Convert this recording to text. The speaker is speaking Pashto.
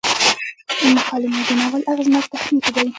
مکالمې د ناول اغیزناک تخنیک دی.